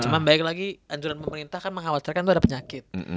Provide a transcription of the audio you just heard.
cuma balik lagi anjuran pemerintah kan mengkhawatirkan itu ada penyakit